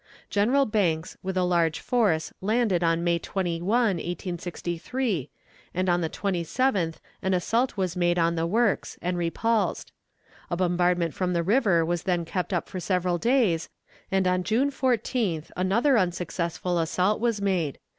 General Banks with a large force landed on May 21, 1863, and on the 27th an assault was made on the works, and repulsed. A bombardment from the river was then kept up for several days, and on June 14th another unsuccessful assault was made.